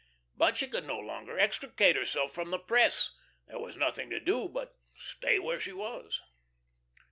But she could no longer extricate herself from the press; there was nothing to do but stay where she was.